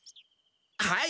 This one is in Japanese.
はい！